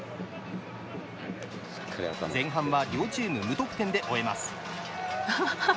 前半は両チーム無得点で終えます。